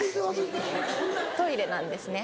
トイレなんですね。